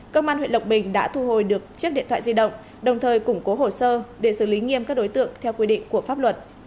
công an huyện lộc bình đã thu hồi được chiếc điện thoại di động đồng thời củng cố hồ sơ để xử lý nghiêm các đối tượng theo quy định của pháp luật